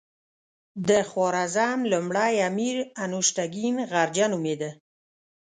د خوارزم لومړی امیر انوشتګین غرجه نومېده.